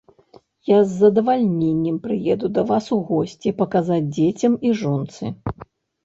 Я з задавальненнем прыеду да вас у госці, паказаць дзецям і жонцы.